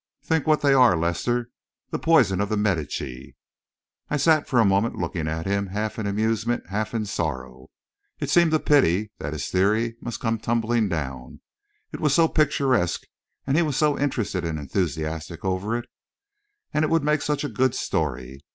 Think what they are, Lester the poison of the Medici!" I sat for a moment looking at him, half in amusement, half in sorrow. It seemed a pity that his theory must come tumbling down, it was so picturesque, and he was so interested and enthusiastic over it. And it would make such a good story!